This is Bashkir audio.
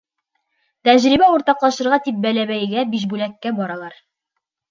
Тәжрибә уртаҡлашырға тип Бәләбәйгә, Бишбүләккә баралар.